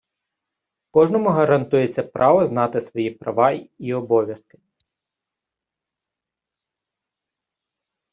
Кожному гарантується право знати свої права і обов'язки.